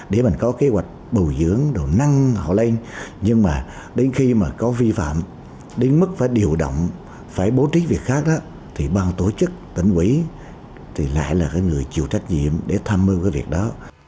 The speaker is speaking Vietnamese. để mình có kế hoạch bồi dưỡng rồi năng họ lên nhưng mà đến khi mà có vi phạm đến mức phải điều động phải bố trí việc khác thì bang tổ chức tỉnh quỹ thì lại là cái người chịu trách nhiệm để tham mưu cái việc đó